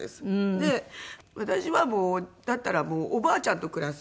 で「私はもうだったらもうおばあちゃんと暮らす」って。